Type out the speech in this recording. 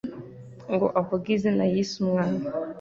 ngo avuge izina yise umwana.